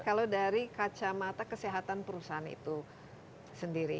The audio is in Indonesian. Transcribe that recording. kalau dari kacamata kesehatan perusahaan itu sendiri